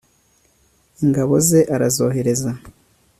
ingabo ze arazohereza